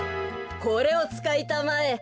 これをつかいたまえ。